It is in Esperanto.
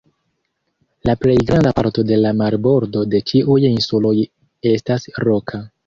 La plej granda parto de la marbordo de ĉiuj insuloj estas roka.